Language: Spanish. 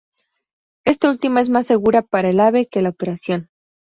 Esta última es más segura para el ave que la operación.